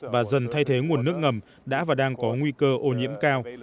và dần thay thế nguồn nước ngầm đã và đang có nguy cơ ô nhiễm cao